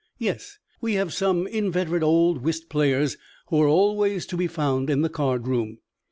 "Yes. We have some inveterate old whist players who are always to be found in the card room.